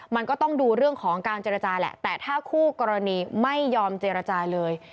มันก็ต้องดูเรื่องของการเจรจาแหละแต่ถ้าคู่กรณีไม่ยอมเจรจาเลย